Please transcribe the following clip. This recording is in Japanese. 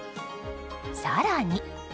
更に。